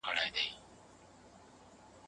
که مادي ژبه وي، نو د زده کوونکي ذهن به ستړې نه سي.